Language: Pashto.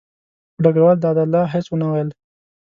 خو ډګروال دادالله هېڅ ونه ویل.